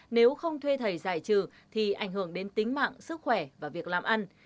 nếu không thuê thầy giải trừ thì ảnh hưởng đến tính mạng sức khỏe và việc làm ăn